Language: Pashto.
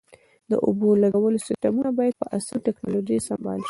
د اوبو لګولو سیستمونه باید په عصري ټکنالوژۍ سنبال شي.